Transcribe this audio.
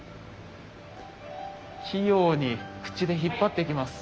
器用に口で引っ張っていきます。